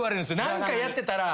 何かやってたら。